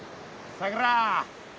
さくら